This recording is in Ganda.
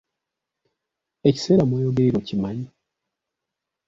Ekiseera mw’oyogerera okimanyi?